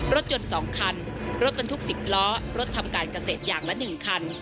รถยนต์๒คันรถบรรทุก๑๐ล้อรถทำการเกษตรอย่างละ๑คัน